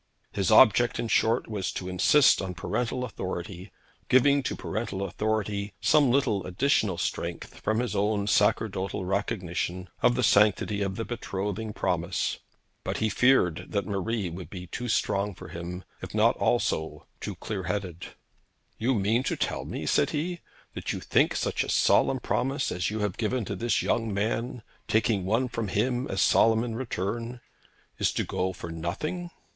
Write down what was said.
His object, in short, was to insist on parental authority, giving to parental authority some little additional strength from his own sacerdotal recognition of the sanctity of the betrothing promise. But he feared that Marie would be too strong for him, if not also too clear headed. 'You cannot mean to tell me,' said he, 'that you think such a solemn promise as you have given to this young man, taking one from him as solemn in return, is to go for nothing?'